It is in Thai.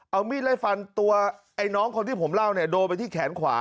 เอามีดไล่ฟันตัวไอ้น้องคนที่ผมเล่าเนี่ยโดนไปที่แขนขวา